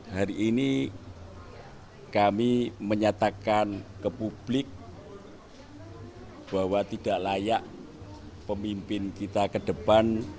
hari ini kami menyatakan ke publik bahwa tidak layak pemimpin kita ke depan